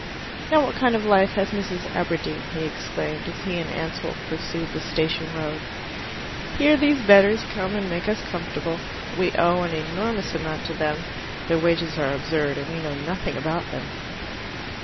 "Now what kind of a life has Mrs. Aberdeen?" he exclaimed, as he and Ansell pursued the Station Road. "Here these bedders come and make us comfortable. We owe an enormous amount to them, their wages are absurd, and we know nothing about them.